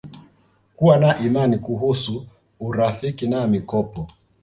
Kuwa na imani Kuhusu urafiki na mikopo